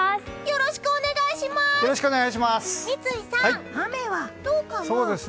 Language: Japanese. よろしくお願いします！